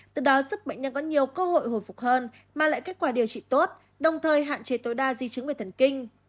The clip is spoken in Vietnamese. từ đó giúp bệnh nhân có nhiều cơ hội hồi phục hơn mà lại kết quả điều trị tốt đồng thời hạn chế tối đa di chứng về thần kinh